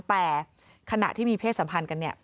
แต่ขณะที่มีเพศสัมพันธ์กันเนี่ย